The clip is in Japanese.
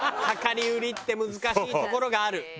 量り売りって難しいところがある。